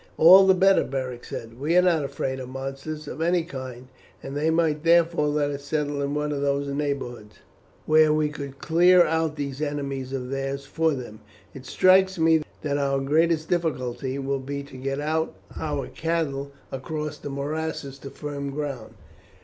"All the better," Beric said; "we are not afraid of monsters of any kind, and they might therefore let us settle in one of these neighbourhoods where we could clear out these enemies of theirs for them. It strikes me that our greatest difficulty will be to get our cattle across the morasses to firm ground.